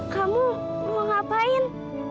kamu mau ngapain